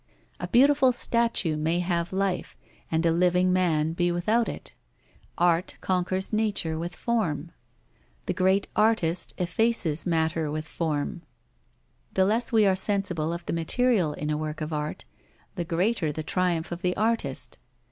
A beautiful statue may have life, and a living man be without it. Art conquers nature with form. The great artist effaces matter with form. The less we are sensible of the material in a work of art, the greater the triumph of the artist.